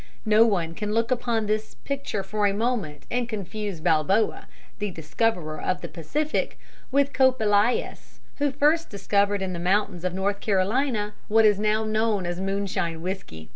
No one can look upon this picture for a moment and confuse Balboa, the discoverer of the Pacific, with Kope Elias, who first discovered in the mountains of North Carolina what is now known as moonshine whiskey.